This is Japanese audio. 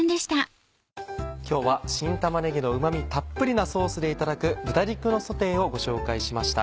今日は新玉ねぎのうまみたっぷりなソースでいただく「豚肉のソテー」をご紹介しました。